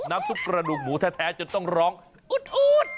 ซุปกระดูกหมูแท้จนต้องร้องอุด